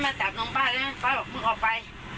เขาจะมาจับน้องป้าแล้วป้าบอกมึงออกไป